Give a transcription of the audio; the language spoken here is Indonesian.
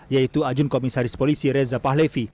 yaitu ajun komisaris polisi reza pahlevi